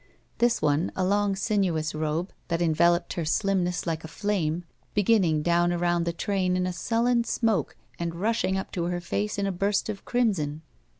This one, a long, sinuous robe that enveloped her slimness like a flame, beginning down around the train in a sullen smoke and rushing up to her face in a burst of crimson.